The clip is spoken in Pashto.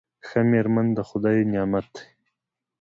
ښه میرمن د خدای نعمت دی.